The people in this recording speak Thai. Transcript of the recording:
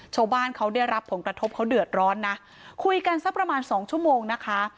ชาวบ้านเขาได้รับผลกระทบเขาเดือดร้อนนะคุยกันสักประมาณสองชั่วโมงนะคะ